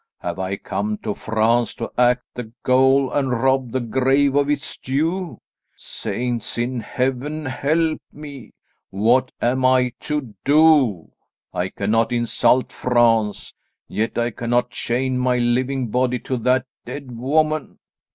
Have I come to France to act the ghoul and rob the grave of its due? Saints in heaven, help me! What am I to do? I cannot insult France, yet I cannot chain my living body to that dead woman.